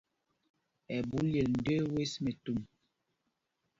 Ɛɓú lyel ndəə wes mɛtu.